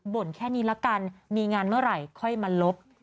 ่นแค่นี้ละกันมีงานเมื่อไหร่ค่อยมาลบ